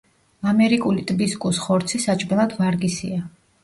ამერიკული ტბის კუს ხორცი საჭმელად ვარგისია.